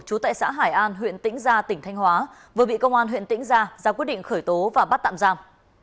trú tại xã hải an huyện tĩnh gia tỉnh thanh hóa vừa bị công an huyện tĩnh gia ra quyết định khởi tố và bắt tạm giam